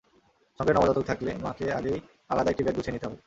সঙ্গে নবজাতক থাকলে মাকে আগেই আলাদা একটি ব্যাগ গুছিয়ে নিতে হবে।